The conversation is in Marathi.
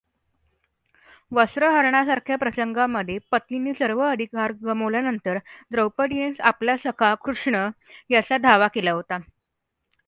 वस्त्रहरणासारख्या प्रसंगामधे पतींनी सर्व अधिकार गमावल्यानंतर द्रौपदीने आपला सखा कृष्ण याचा धावा केला होता.